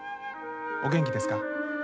お元気ですか。